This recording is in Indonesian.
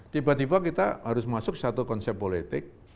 tiba tiba kita harus masuk satu konsep politik